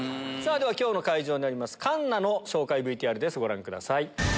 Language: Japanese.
今日の会場になりますＣＡＮＮＡの紹介ＶＴＲですご覧ください。